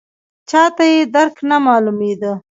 چاته یې درک نه معلومېده.